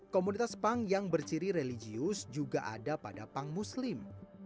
komunitas punk yang berciri religius juga ada pada punk muslim